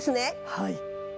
はい。